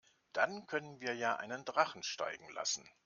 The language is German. Dann können wir ja einen Drachen steigen lassen.